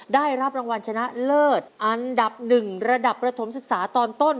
ได้รับรางวัลชนะเลิศอันดับ๑ระดับประถมศึกษาตอนต้น